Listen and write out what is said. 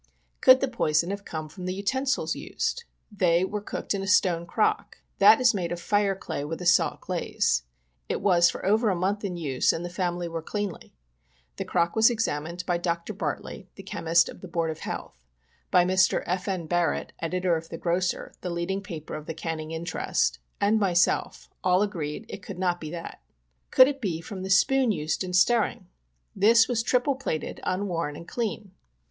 Could the poison have come from the utensils used ? They were cooked in a stone crock. That is made of fire clay, with a salt glaze. It was for over a month in use and the family were cleanly. The crock was examined by Dr. Bartley, the Chemist of the Board of Health ; by Mr. F. N. Barrett, Editor of the Grocer , the leading paper of the canning interest, and myself — all agreed it could not be that. Could it be from the spoon used in stirring ? this was tripple plated, unworn, and clean.